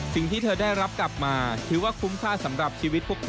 สิ่งที่เธอได้รับกลับมาถือว่าคุ้มค่าสำหรับชีวิตพวกเธอ